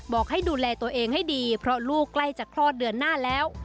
บอกให้ดูแลตัวเองให้ดีเพราะลูกใกล้จะคลอดเดือนหน้าแล้ว